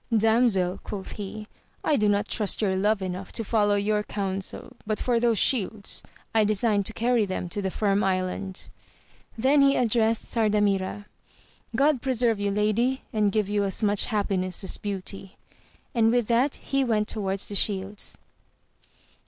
Damsel, quoth he, I do not trust your love enough to follow your counsel ; but for those shields, I design to carry them to the Firm Island. Then he addressed Sardamira — God preserve you lady, and give you as much happiness as beauty ! and with that he went toward the shields.